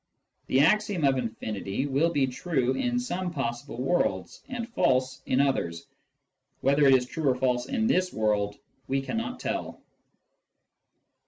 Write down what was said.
The axiom of infinity will be true in some possible worlds and false in others ; whether it is true or false in this world, we cannot tell.